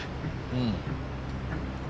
うん。